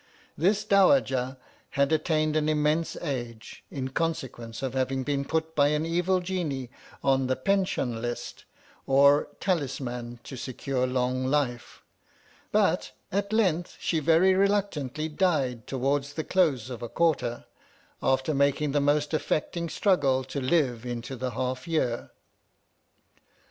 This Dowajah had attained an immense age, in consequence of having been put by an evil Genie on the PENSHUNLIST, or talisman to secure long life ; but, at length she very reluctantly died to wards the close of a quarter, after making the most affecting struggles to live into the half year.